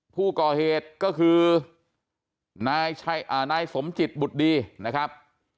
ผู้ก่อเหตุก็คือนายสมจิตบุตรดีนะครับ